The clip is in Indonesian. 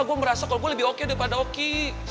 aku merasa kalau gue lebih oke daripada oki